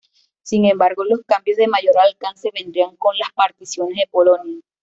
Sin embargo los cambios de mayor alcance vendrían con las particiones de Polonia.